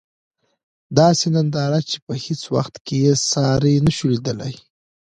داسې ننداره چې په هیڅ وخت کې یې ساری نشو لېدلی.